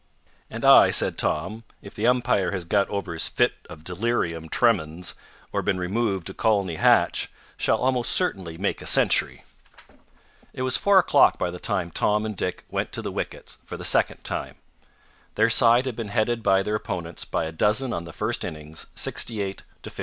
"And I," said Tom; "if the umpire has got over his fit of delirium tremens, or been removed to Colney Hatch, shall almost certainly make a century." It was four o'clock by the time Tom and Dick went to the wickets for the second time. Their side had been headed by their opponents by a dozen on the first innings 68 to 56.